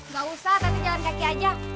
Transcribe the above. gak usah nanti jalan kaki aja